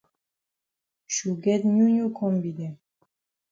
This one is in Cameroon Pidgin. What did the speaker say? Shu get new new kombi dem.